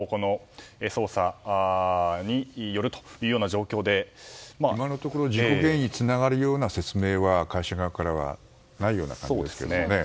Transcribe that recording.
そこからの経緯の説明などは警察の捜査によるという状況で今のところ事故原因につながるような説明は会社側からはないような感じですよね。